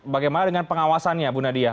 bagaimana dengan pengawasannya bu nadia